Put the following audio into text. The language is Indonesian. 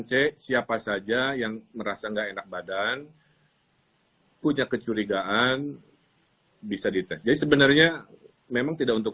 c siapa saja yang merasa enggak enak badan punya kecurigaan bisa dites jadi sebenarnya memang tidak untuk